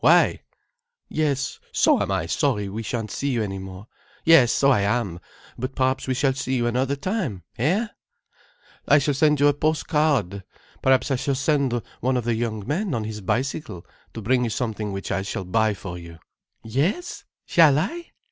Why? Yes, so am I sorry we shan't see you any more. Yes, so I am. But perhaps we shall see you another time—hé? I shall send you a post card. Perhaps I shall send one of the young men on his bicycle, to bring you something which I shall buy for you. Yes? Shall I?"